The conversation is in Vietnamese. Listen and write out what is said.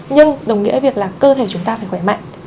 nhưng đồng nghĩa việc là cơ thể chúng ta phải khỏe mạnh